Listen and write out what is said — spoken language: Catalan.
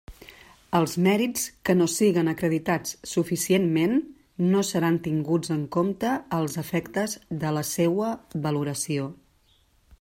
Els mèrits que no siguen acreditats suficientment no seran tinguts en compte als efectes de la seua valoració.